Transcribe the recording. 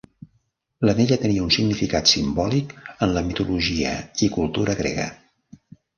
L'anella tenia un significat simbòlic en la mitologia i cultura grega.